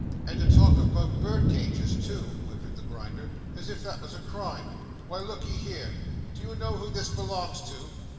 "And to talk about birdcages, too!" whimpered the Grinder. "As if that was a crime! Why, look'ee here! Do you know who this belongs to?"